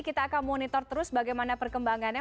kita akan monitor terus bagaimana perkembangannya